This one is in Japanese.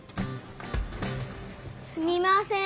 すみません。